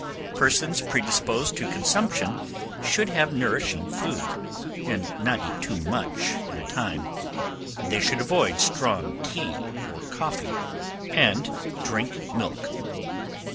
Persons predisposed to consumption should have nourishing food, and not eat too much at a time; they should avoid strong tea or coffee, and drink milk.